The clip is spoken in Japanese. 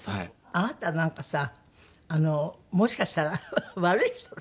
あなたなんかさもしかしたら悪い人？